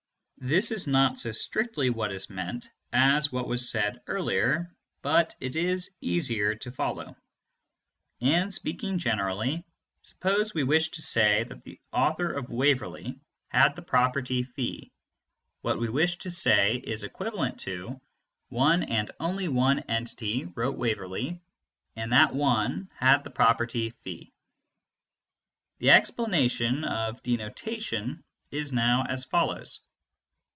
(This is not so strictly what is meant as what was said earlier; but it is easier to follow.) And speaking generally, suppose we wish to say that the author of Waverley had the property φ, what we wish to say is equivalent to "One and only one entity wrote Waverley, and that one had the property φ." The explanation of denotation is now as follows.